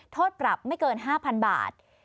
โทษปรับไม่เกิน๕๐๐๐บาท